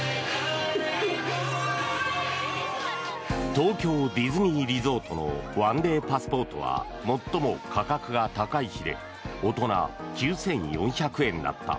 東京ディズニーリゾートの１デーパスポートは最も価格が高い日で大人９４００円だった。